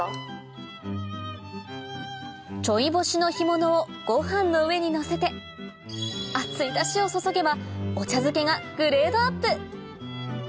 チョイ干しの干物をご飯の上にのせて熱いダシを注げばお茶漬けがグレードアップ！